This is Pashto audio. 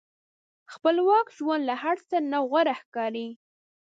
خپلواک ژوند له هر څه نه غوره ښکاري.